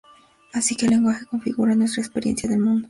Así que el lenguaje configura nuestra experiencia del mundo.